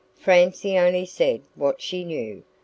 Francie only said what she knew.